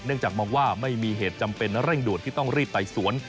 จากมองว่าไม่มีเหตุจำเป็นเร่งด่วนที่ต้องรีบไต่สวน